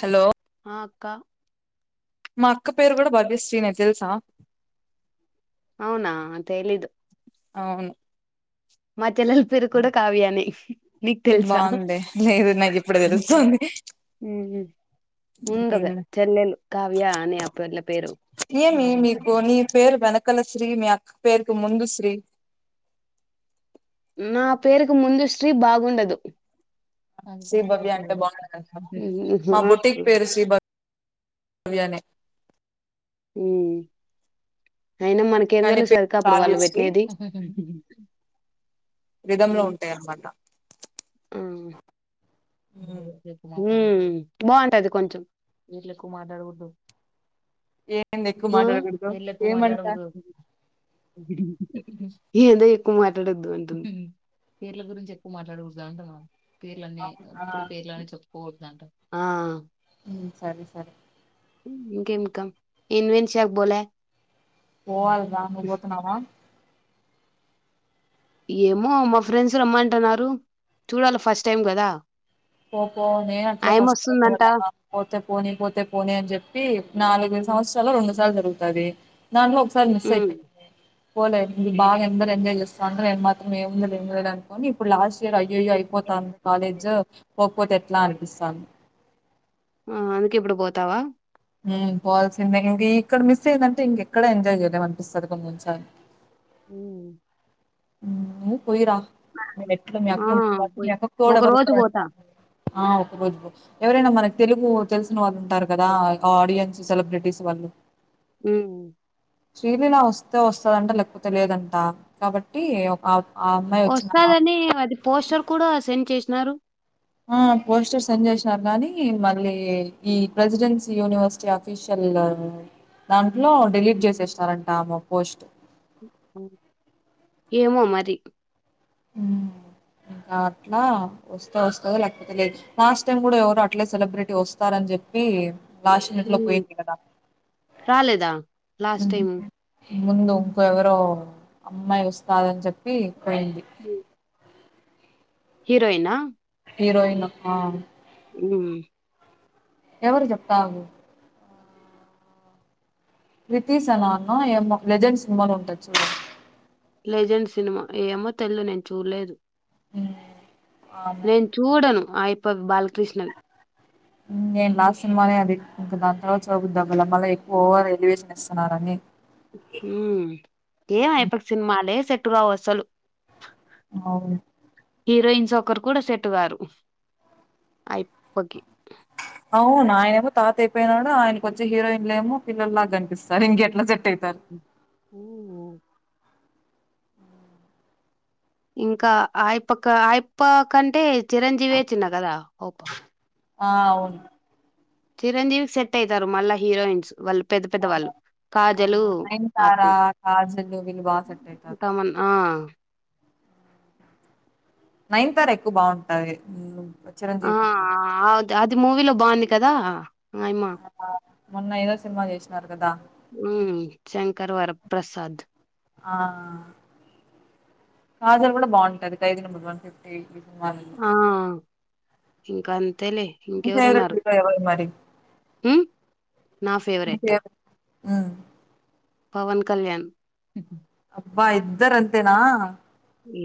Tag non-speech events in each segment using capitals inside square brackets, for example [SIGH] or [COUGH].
Hello ఆ అక్క మా అక్క పేరు కూడా భవ్య శ్రీ నే తెలుసా? అవునా తెలీదు. అవును మర్ చెల్లెలి పేరు కూడా కావ్య నే మీకు తెలుసా బాగుంది లేదు నాకు ఇప్పుడు తెలుస్తుంది ముందొక ఉమ్. చెల్లెలు కావ్య అని ఆ పిల్ల పేరు పక్కల శ్రీ మీ అక్క పేరుకి ముందు శ్రీ నా పేరుకు ముందు శ్రీ బాగుండదు. ఊమ్ శ్రీ ఊమ్ భవ్య అంటే బాగుండదంట హా హు వ్య నే ఊమ్ అయినా మనకేం కానీ పేరు తెలుస్తది అక్క అప్పుడు వాళ్ళు కావ్యశ్రీ పెట్నేటియి రిధం లో ఉంటాయన్నమాట. ఆ ఉమ్. హుమ్ బావుంటది కొంచెం ఏంది ఎక్కువ ఆ మాట్లాడకుడదు ఏమంటా? ఏందో ఎక్కువ మాట్లాడొద్దు అంటుంది. దాంటున్నా పేర్లన్ని ఉ అవునా ఇప్పుడు పేర్లని చెప్ ఆ ఊమ్ సరే సరే ఇంకేందక్కా [UNINTELLIGIBLE] బోలే పోవాలి రా నువ్వు పోతున్నావా? ఏమో మా ఫ్రెండ్స్ రమ్మంటన్నారు చూడాల ఫస్ట్ టైం గదా పోపో నే అట్లే ఫస్ట్ టైమ్ [UNINTELLIGIBLE] పోతే పోని పోతే పోని అని చెప్పి నాలుగైదు సంవత్సరాల్లో రెండు సార్లు [UNINTELLIGIBLE] రుగుతాది. నార్మల్గా ఒకసారి మిస్ ఉమ్ అయిపోయింది పోలేదు మీరు బాగా అందరు ఎంజాయ్ చేస్తా ఉంటే నేను మాత్రం ఏముంది ఏంలేదు అనుకోని ఇప్పుడు లాస్ట్ ఇయర్ అయ్యయ్యో అయిపోతాన కాలేజు పోతే ఎట్లా అనిపిస్తాంది ఆ అందుకె ఇప్పుడు పోతావా పోవల్సిందే ఇంక ఇక్కడ మిస్ అయ్యందంటే ఇంకెక్కడ ఎంజాయ్ చేయలేం అనిపిస్తుంది కొని కొని సారుల అ హ్మ్ పోయిరా అక్కడ ఎలాగో మీ ఆ అక్క ఉంది కాబట్టి మీ పోయి అక్కకి తోడు ఒక ఎవరు రోజు పోతా ఉండరంటా ఆ ఒక రోజు పో ఎవరైనా మనకు తెలుగు తెలిసిన వాళ్ళు ఉంటారు కదా ఆడియన్స్ సెలబ్రిటీస్ వాళ్ళు హ శ్రీలీలా వస్తే వస్తదంట లేకపోతే లేదంట కాబట్టి టీ ఆ అమ్మాయి వచ్చిన వసదని అది పోస్టర్ కూడా సెండ్ చేసినారు ఆ పోస్టర్ సెండ్ చేసినారు గానీ మళ్ళీ ఈ ప్రెసిడెన్సీ యూనివర్సిటీ ఆఫీషియల్ దాంట్లో డిలీట్ చేసేసినారంట ఆమే పోస్ట్ ఏమో మరి ఇంకా అట్లా వస్తా వస్త లేకపోతే లేదు లాస్ట్ టైమ్ కూడా ఎవరు అట్లే సెలబ్రిటీ వస్తారని చెప్పి రాలేదా లాస్ట్ హ్మ్. టైమ్ ముందు ఇంకో ఎవరో అమ్మాయి వస్తదని చెప్పి పోయింది అ హీరోయినా హీరోయిన్ ఉ ఎవరు చెపావు కితిసనానా ఎమో లెజెండ్స్ సినిమా ఉంటది చూడు లెజెండ్ సినిమా ఏమో తెలయాదు నేను చూడలేదు హ్మ్ ఆమె. నేను చూడను ఆ ఎప్పడు బాలకృష్ణవి నేను లాస్ట్ సినిమానే అది ఇంక దాని తరవాత చూడబుధవళ మల ఎక్కువ ఓవర్ ఎలివేషన్ ఇస్తున్నారని హ ఏంయపటి సినిమాలే సేట్టుకావు అసలు అవు హీరోయిన్స్ ఒకరు కూడా సెట్ గారు అయిపోకి అవును ఆయననేమో తాత అయిపోయినాడు ఆయనకోచ్చే హీరోయిన్లు ఏమో పిల్ల లాగా కనిపిస్తారు ఇంకెట్లా సెట్ అయితారు. ఉఓ ఇంకా ఆయపక ఆయప్ప కంటే చిరంజీవి చిన్న కదా ఓప్పా ఆ! అవును. చిరంజీవికి సెట్ అయితారు మళ్ళా హీరోయిన్స్ వాళ్ళు పెద్ద అవును. పెద్దవాళ్ళు ఆ! కాజలు అ 'నయనతార, కాజల్' వీళ్ళు బా సెట్ అయితారు. తమన్నా ఆ నైన్ తార ఎక్కువ బాగుంటాది ఆ అది మూవీలో బాగుంది కదా ఆయమా ఆ! మొన్న ఏదో సినిమా జేసినారు కదా! శంకర్ వర. ప్రసాద్ ఆ కాజాలు కూడా బాగుంటాది ఖైది నంబర్ వన్ ఫిఫ్టీ ఆ ఇంకాంత అంతేలే నీ ఇంకెవరు ఫేవరెట్ ఉన్నారు హీరో ఎవరు మరి? నా ఫేవరెట్. ఆ పవన్ కళ్యాణ్ బ్ బా ఇద్దర అంతేనా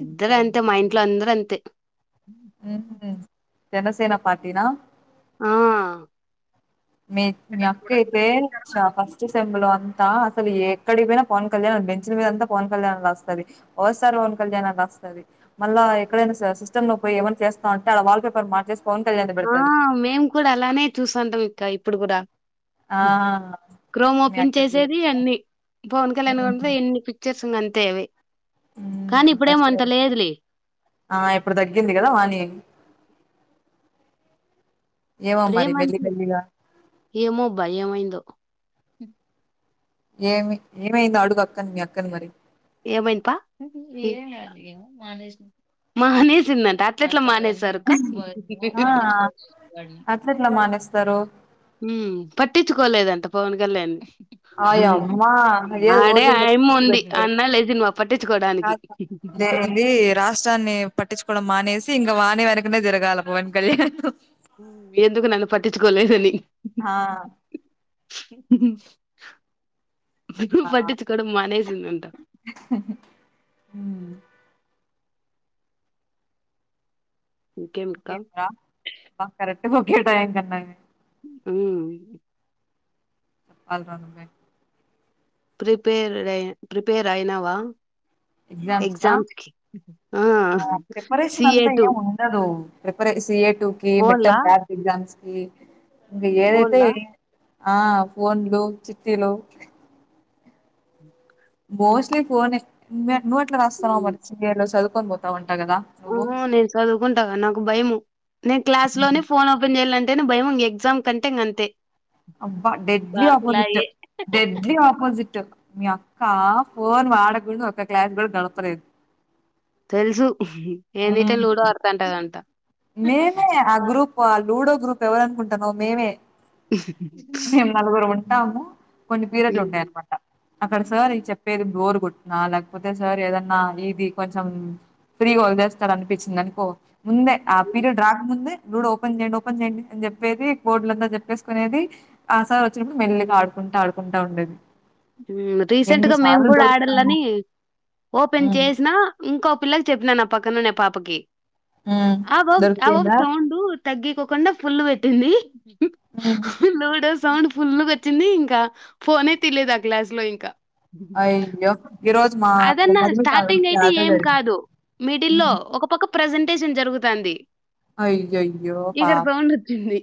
ఇద్దరు అంతే మా ఇంట్లో అందరు అంతే. జనసేనా పార్టీన ఆ మీ మీ అక్క చూడానికి అయితే ప్రయత్నించారు ఫస్ట్ సెమ్బల్. అంతా అసలు ఎక్కడికి పోయినా పవన్ కళ్యాణ్ బెంచ్ల మీద అంతా పవన్ కళ్యాణ్ రాస్తది సార్ పవన్ కళ్యాణ్ రాస్తది మళ్ళా ఎక్కడైనా సిస్టమ్ లో పోయి ఏమన్నా చేస్తా అంటే అడ వాల్ పేపర్ మార్చేస్త. ఆ మేము కూడా అలానే చూసంటాం ఇంకా ఇప్పుడు కూడా ఆ క్రోమ్ మీ ఓపెన్ అక్క చేసేది అన్ని పవన్ కళ్యాణ్ ఎన్ని పిక్చర్ [UNINTELLIGIBLE] అంతేవి హు ఇప్పుడు తగ్గింది కదా వానీ ఏమో మరి ఇప్పుడేమంత మెల్లి మెల్లిగా ఏమో భయంమైందో ఏమి ఏమైంది అడుగు అక్క మీ అక్కని మరి. ఏమైపా మానేసిందంటే అట్ల ఎట్లా మానేసి ఆ అట్లెట్లా మానేస్తారు పట్టించుకోలేదని అంత పవన్ కళ్యాణ్డి అయ అమ్మా అ రోజు ఇట్ ఆయమ్మ ఉంది అన్న లేచి నువ్వు పట్టించుకోవడానికి రాష్ట్రాన్ని పట్టించుకోవడం మానేసి ఇ వాణి వెనకనే తిరగాలల పవన్ కళ్యాణ ఎందుకు నన్ను పట్టించుకోలేలేదని. హా ఆ పట్టించుకోడం మానేసిందంట ఇంకేం అక్క కే కరెక్ట్ టైమ్ కన్నా ఉ [UNINTELLIGIBLE] ప్రిపేర్డ్ ప్రిపేర్ అయినావా ఎగ్జామ్స్ కా ఎక్జామ్స్కి ఆ ప్రిపరేషన్ సి ఏ అంతా టు ఏం ఉండదు ప్రిపరే సి ఎ టూ కి మెట్టం ల్యాబ్ ఎగ్జామ్స్ కి ఇంక ఏదైయితే ఫోన్లా ఆ ఫోన్లు చిత్తీలు బోస్ని ఫోనే నువ్వెట్లా రాస్తాన్నావు మరి సి ఎలో చదువు మొత్తం పోతాండి ఆ నేను చదువుకుంటాగా నాకు భయము నేను క్లాస్ లోని ఫోన్ ఓపెన్ చెయ్యాలం అంటేను భయం ఎగ్జామ్ కంటే ఇక అంతే అబ్బా డెడ్లీ ఆపోజిట్ డెడ్లీ ఆపోజిట్ మీ అక్క ఫోన్ వాడకుండా ఒక క్లాస్ కూడా గడపలేదు తెలుసు ఏందిటె మ్మ్. లూడో ఆడతాంటదంట మేమే ఆ గ్రూప్ ఆ లూడో గ్రూప్ ఎవరు అనుకుంటన్నవ్ మేమే మేము నలుగురం ఉంటాము కొన్ని పీరియడ్లు ఉంటాయన్నమాట అక్కడ సార్ ఇ చెప్పేది బోర్ కొట్టినా లేకపోతే సార్ ఏదన్నా ఇది కొంచెం ఫ్రీగా వదిలేస్తడు అనిపించింది అనుకో ముందే ఆ పీరియడ్ రాక ముందే లూడో ఓపెన్ చేయండి ఓపెన్ చేయండి అని చెప్పేది బోర్డులంతా చెప్పేసుకునేది ఆసార్ వచ్చినప్పుడు మెల్లిగా ఆడుకుంటా ఆడుకుంటా ఉండేది హ్మ్ రీసెంట్ గా మేము ఎన్నిసార్లు కూడా దొరుకుతాము ఆడాలని ఓపెన్ ఉమ్ చేసినా ఇంకో పిల్లకి చెప్పినాను నా పక్కన నే పాపకి ఉమ్ ఆ ఓ ఆ దొరికిందా సౌండు తగ్గికోకుండ ఫుల్ పెట్టింది ఉమ్ నోడస్ సౌండ్ ఫుల్లు గ వచ్చింది ఇంక ఫోనే తీయలేద క్లాస్ లో ఇంకా అయ్యో గిరోజు అదన్నా స్టార్టింగ్ అయితే ఏం కాదు మిడిల్ లో ఉమ్ ఒక పక్క ప్రజెంటేషన్ జరుగుతాంది అయ్యయ్యో ఇక్కడ పాపం సౌండ్ వచ్చింది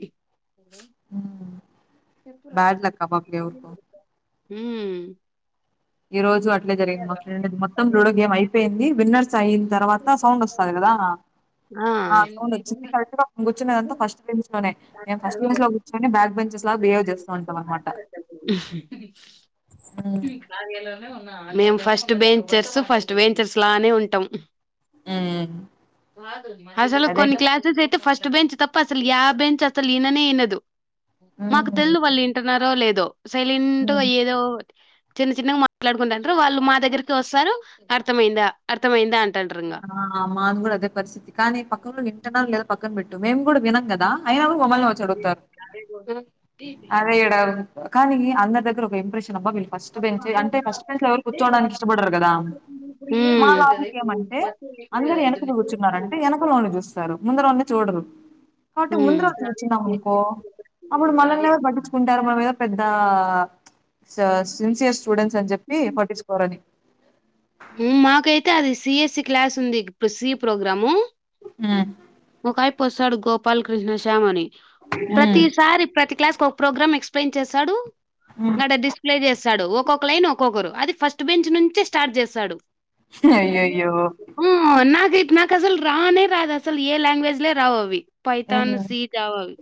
హ్మ్ చెప్పు రా [INAUDIBLE] హ్మ్ ఈ రోజు అటు జరిగిందమ్మ మొత్తం పోడో గేమ్ అయిపేయింది విన్నర్ స్ ఫిక్స్ అయిన తర్వాత సౌండ్ వస్తది గదా ఆ సౌండ్ వచ్చింది ఆ కాకపోతే నేను కూర్చుంది ఫస్ట్ బేంచేసిలో కాకపోతే బ్యాక్ పెంచెస్ అట్లా బిహేవర్ చేస్తూ ఉంటన్నమాట ఊ మేము ఫస్ట్ బెంచెస్ ఫస్ట్ వెంచర్స్ లానే ఉంటము అసలు అదే కొన్ని క్లాసేస్ అయితే ఫస్ట్ ఫస్ట్ బెంచీ తప్ప అసలు లాస్ట్ బెంచ్ అసలు ఇననే ఇనదు మాకు ఉమ్ తెలువది వాళ్ళు వింటున్నారో లేదో సైలెంట్ గ ఏదో ఒ చిన్న చిన్నగా మాట్లాడుకుంటంటరు వాళ్ళు మా దగ్గరికి ఓస్తారు అర్థమయిందా అర్థమయియందా అంట ఆ మాది కూడ అదే పరిస్థితి కానీ పక్క ఉన్నోళ్లు వింటున్నారో పక్కన బెట్టు మేము కూడా వినము అయినా గూడ సోమవారం వచ్చి అడుగుతారు అదే ఎడా కానీ అందరి దగ్గర ఒక ఇంప్రెషన్ బ్బా వీళ్ళు ఫస్ట్ బెంచ్ అంటే ఫస్ట్ బెంచ్ లో ఎవరు కూర్చోడానికి ఇష్టపడ్డారు కదా మా ఉమ్ లాగా ఏండి అందరు వెనక కూర్చున్నంటే వెనకలో చూస్తారు ముందున్నోళ్లు కానీ చూడరు కాబట్టి ముందర వసం వచ్చిందాం అనుకో అప్పుడు మనల్ని ఎవరు పట్టించుకుంటారు మన మీద పెద్ద ఆ సిన్సియర్ స్టూడెంట్స్ స్టూడెంట్స్ అని చెప్పి పట్టించుకోరని ఉ మాకైతే అది సిఎస్సి క్లాస్ ఉంది ఇప్పుడు సి ప్రోగ్రాము ఉ ఒకవైపు వస్తాడు గోపాలకృష్ణ శ్యామని ఉమ్, ప్రతిసారి ప్రతి క్లాస్ ఒక ప్రోగ్రామ్ ఎక్స్ప్లెయిన్ చేశాడు ఉమ్. నడ డిస్ప్లే చేస్తా వస్తాడు ఒక్కొక్క లైన్ ఒక్కొక్కరు అది ఫస్ట్ బెంచ్ నుంచే స్టార్ట్ చేస్తాడు అ అయ్యయ్యో అన్నాడు ఇట్ నాకు అసలు రానే రాదు అసలు ఏ లాంగ్వేజ్ లో రానే రా వవి పైతాన్ ఉమ్. స జావావి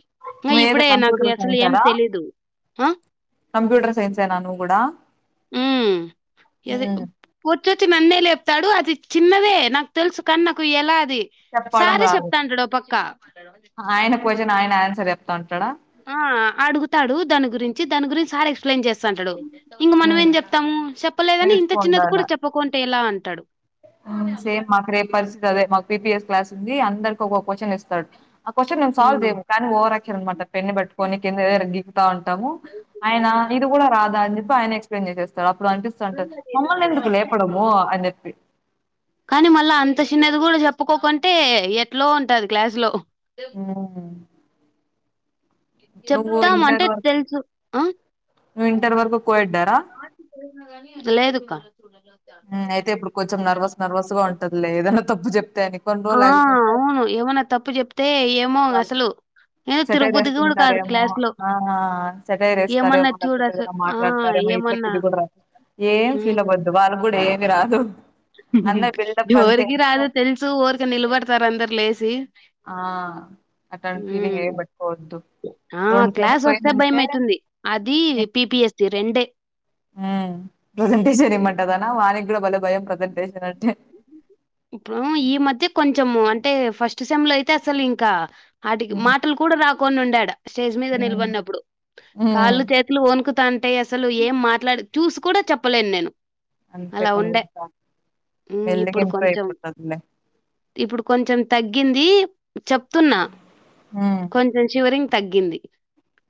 నువ్వేదో ఇప్పుడే నాకు కంప్యూటర్ అసలు ఏం సైన్సారా తెలీదు అ కంప్యూటర్ సైన్సేనా నువ్వు కూడా ఊ ఉమ్. పొద్దుటి నుంచి నన్నే లేపుతాండు తడు అది చిన్నదే నాకు తెలుసు కాన్ నాకు ఎలా ది పడం రాదు ఆయన కోషన్ ఆయన ఆన్సర్ చెప్తాను చడ ఆ అడుగుతాడు దాని గురించి దాని గురించి సార్ ఎక్స్ప్లేన్ చెస్ అంటాడు ఇంక మనం ఉమ్. ఏం చెప్తాము చెప్పలేదని ఇంత నేర్చుకో చిన్నది ఉండాల కూడ చెప్పకుంటే ఎలా తడు సేమ్ మాకి పరిస్థితి అదే మ పిపిఎస్ క్లాస్ ఉంది అందరికి ఒకో క్వశ్చన్ ఇస్తాడు ఆ క్వశ్చన్ మేము సాల్వ్ ఉమ్. చేయము కానీ ఓవరాక్షన్ అనమాట పెన్నన్ని పెట్టుకొని కిందరగుతా ఉంటాము ఆయన ఇది కూడా రాదా అని చెప్పి ఆయన ఎక్స్ప్లెయిన్ చేసేస్తాడు అప్పుడు అనిపిస్తంటారు మమ్మల్ని ఎందుకు లేపడము అని చెప్పి కానీ మళ్ళా అంత చిన్నది కూడా చెప్పుకోకుంటే ఎట్లో ఉంటది క్లాసు లో ఆ చెప్తాం అంటే తెలుసు అ నువ్వు ఇంటర్ వరకు కోయడ్డారా లేదుక అయితే ఇప్పుడు కొంచెం నర్వస్ నర్వస్ గా ఉంటదులే ఏదైనా తప్పు చెప్తే అని కొన్ని ఆ రోజులు ఆగిపోతే అవును ఏమన్నా తప్పు చెప్తే ఏమో వాళ్ళ అసలు ఏ సెటైర్ తిరుగుబద్ది కూడా కాదు ఏస్తుంటారేమో. క్లాస్ లో ఆ! సెటైర్ ఏమన్నా ఏస్తారేమో చూడు లేకపోతే అస ఏదైనా ఆ మాట్లాడతారేమో ఈట్లకి ఏమన్నా ఇది కూడ ఏమి రాదు అందరు బిల్డప్ అంతే. ఎవరికి రాదు తెలుసు ఊరికే నిలబడతారు అందరు లేసి ఆ! అట్లాంటి ఫీలింగ్ ఏం పెట్టుకోవద్దు. సెమ్‌లు క్లాస్ వస్తే భయ పోయిందంటే అయితుంది అది పిపిఎస్సి రెండు అ ఉ ప్రెసెంటేషన్ ఇమంటదాన వానీ కూడ బలే భయం ప్రసెంటేషన్ అంటే ఇప్పుడు ఈ మధ్య కొంచెము అంటే ఫస్ట్ సెమ్ లో అయితే అసలు ఇంకా వాటికి హ్మ్. మాటలు కూడ రా కొన్నిండాడు స్టేజ్ మీద హ్మ్. నిలవడినప్పుడు హ్మ్. కాళ్ళు చేతులు ఒనుకు టే అసలు ఏం మాట్లాడు చూసి కూడ చెప్పలేను నేను అంతే అలా ఉండే. హ్మ్. ఇప్పుడు [UNINTELLIGIBLE] కొంచెం ఇప్పుడు కొంచెం తగ్ గింది చెప్తున్నా హ్మ్. కొంచం చివరింగ్ తగ్గింది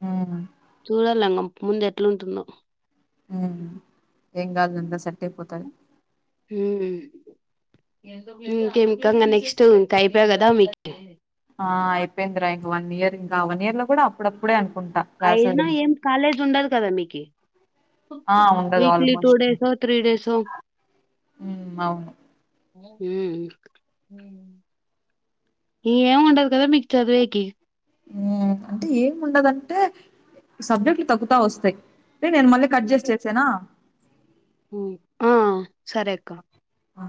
హ్మ్. చూడలంగం ముందు ఎట్లు న్టుందో ఉమ్ ఏంగద్లే అంత సెట్ అయిపోతాది ఉమ్ ఇంకేంకా ఇంగ నెక్స్ట్ ఇంకా అయిపోయా కదా మీకి ఆ అయిపోయిందిరా ఇంక వన్ ఇయర్ ఇంకా వన్ ఇయర్ లో కూడా అప్పుడప్పుడే అ అయినా ఏం కాలేజ్ ఉండదు కదా మీకి ఆ! ఉండదు వీక్లీ టూ ఆల్‌మోస్ట్. డేస్ఓ త్రీ డేస్ ఓ హ్మ్. అవును. ఉమ్ ఏమి ఉండదు కదా మీకు చదివేకి ఉమ్ అంటే ఏం ఉండదంటే సబ్జెక్ట్లు తగ్గుతా వస్తాయి్ టే నేను మళ్ళీ కట్ చేస్ చేసేనా ఆ సరే అక్క ఆ!